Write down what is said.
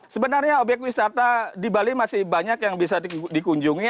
sebenarnya obyek wisata di bali masih banyak yang bisa dikunjungi